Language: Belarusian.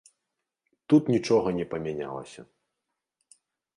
Тут нічога не памянялася.